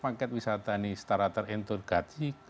paket wisata ini setara terintergasi